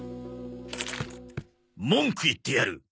文句言ってやる。